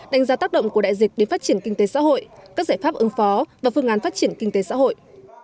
đánh giá tác động của đại dịch đến phát triển kinh tế xã hội các giải pháp ứng phó và phương án phát triển kinh tế xã hội